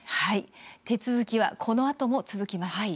手続きはこのあとも続きます。